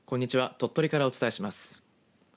鳥取からお伝えします。